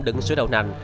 đựng sữa đầu nành